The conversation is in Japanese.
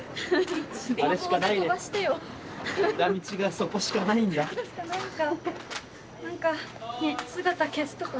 そこしかないんか。